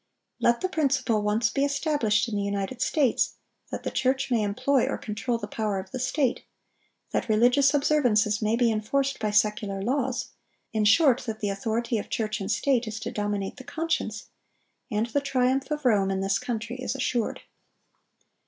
Let the principle once be established in the United States, that the church may employ or control the power of the state; that religious observances may be enforced by secular laws; in short, that the authority of church and state is to dominate the conscience, and the triumph of Rome in this country is assured.